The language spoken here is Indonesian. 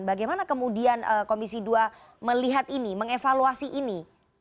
bagaimana kemudian komisi dua melihat ini mengevaluasi ini